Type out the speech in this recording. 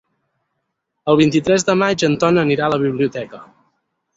El vint-i-tres de maig en Ton anirà a la biblioteca.